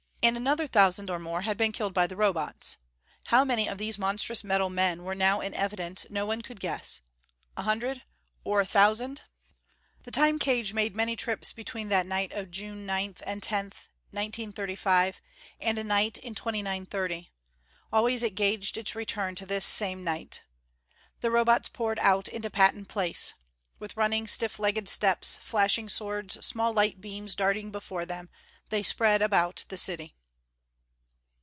And another thousand or more had been killed by the Robots. How many of these monstrous metal men were now in evidence, no one could guess. A hundred or a thousand. The Time cage made many trips between that night of June 9 and 10, 1935, and a night in 2930. Always it gauged its return to this same night. The Robots poured out into Patton Place. With running, stiff legged steps, flashing swords, small light beams darting before them, they spread about the city....